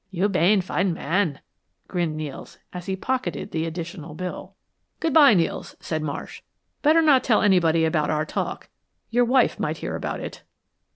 "You bane fine man," grinned Nels, as he pocketed the additional bill. "Good bye, Nels," said Marsh, "Better not tell anybody about our talk. Your wife might hear about it."